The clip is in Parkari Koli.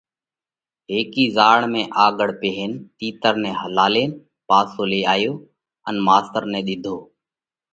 هيڪي زاۯ ۾ آگهو پيهين تِيتر نئہ هلالينَ پاسو لي آيو ان ماستر نئہ ۮِيڌو۔